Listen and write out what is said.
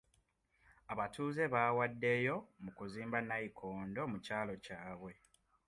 Abatuuze baawaddeyo mu kuzimba nnayikondo mu kyalo kyabwe.